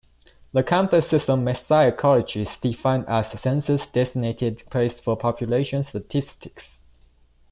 The campus of Messiah College is defined as a census-designated place for population statistics.